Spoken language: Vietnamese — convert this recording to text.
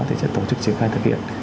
thì sẽ tổ chức triển khai thực hiện